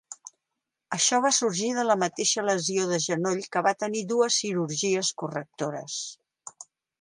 Això va sorgir de la mateixa lesió de genoll que va tenir dues cirurgies correctores.